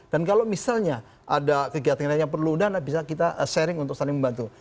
dan kalau misalnya ada kegiatan yang perlu dan bisa kita sharing untuk saling membantu